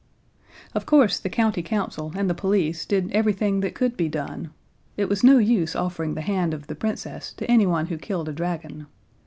Of course, the County Council and the police did everything that could be done: It was no use offering the hand of the Princess to anyone who killed a dragon.